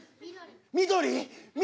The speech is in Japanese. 緑。